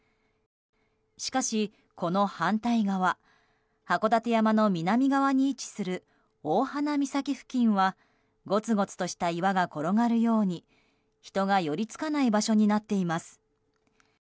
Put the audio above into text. しかし、この反対側函館山の南側に位置する大鼻岬付近はごつごつとした岩が転がるように人が寄りつかない場所になっています。